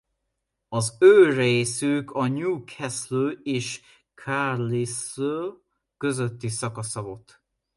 Az ő részük a Newcastle és Carlisle közötti szakasz volt.